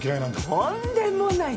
とんでもない。